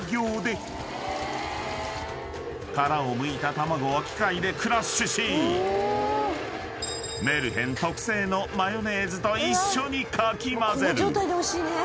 ［殻をむいた卵を機械でクラッシュし「メルヘン」特製のマヨネーズと一緒にかき混ぜる］